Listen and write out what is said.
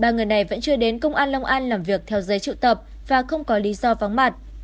ba người này vẫn chưa đến công an long an làm việc theo giấy trự tập và không có lý do vắng mặt